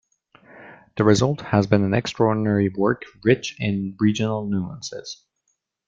The result has been an extraordinary work rich in regional nuances.